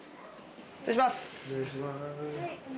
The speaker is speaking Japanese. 失礼します。